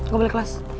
gue balik kelas